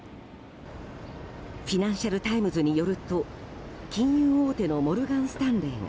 フィナンシャル・タイムズによると金融大手のモルガン・スタンレーが